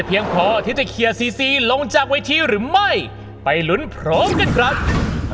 แล้วน้องซีซีนะครับผมจะต้องเป็นท่านที่กลับบ้านไปนะครับผม